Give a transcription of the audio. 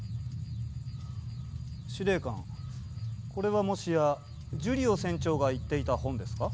司令官これはもしやジュリオ船長が言っていた本ですか？